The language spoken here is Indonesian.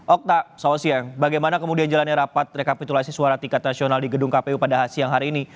okta selamat siang bagaimana kemudian jalannya rapat rekapitulasi suara tingkat nasional di gedung kpu pada siang hari ini